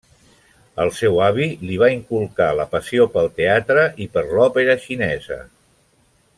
El seu avi li va inculcar la passió pel teatre i per l'òpera xinesa.